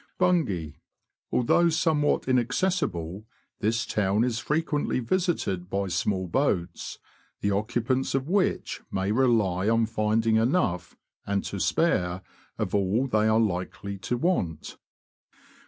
Bungay. — Although somewhat inaccessible, this town is frequently visited by small boats, the occupants of which may rely on finding enough, and to spare, of all they are likely to want.